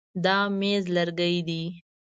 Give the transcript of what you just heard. دا مېز لرګی دی.